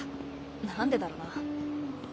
何でだろな。